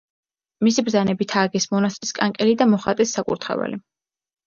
მისი ბრძანებით ააგეს მონასტრის კანკელი და მოხატეს საკურთხეველი.